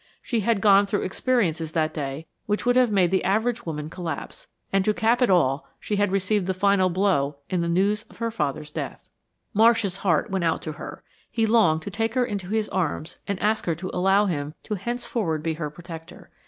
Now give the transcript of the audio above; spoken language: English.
She had gone through experiences that day which would have made the average woman collapse, and to cap it all she had received the final blow in the news of her father's death. Marsh's heart went out to her: He longed to take her into his arms and ask her to allow him to henceforward be her protector.